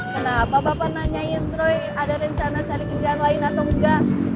kenapa bapak nanyain troy ada rencana cari kerjaan lain atau enggak